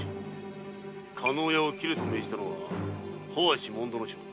加納屋を切れと命じたのは帆足主水正。